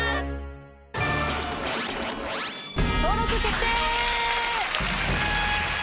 登録決定！